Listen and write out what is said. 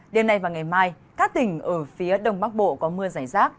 đêm nay và ngày mai các tỉnh ở phía đông bắc bộ có mưa giải rác